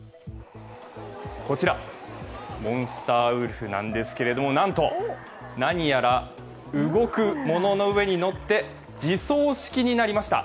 こちら、モンスターウルフなんですけれども、なんと、何やら動くものの上に乗って自走式になりました。